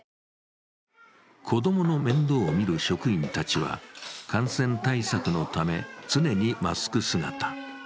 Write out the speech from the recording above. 子供の面倒を見る職員たちは、感染対策のため、常にマスク姿。